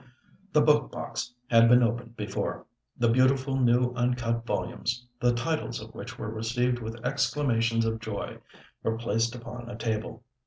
The book box had been opened before. The beautiful new uncut volumes, the titles of which were received with exclamations of joy, were placed upon a table.